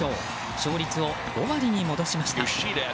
勝率を５割に戻しました。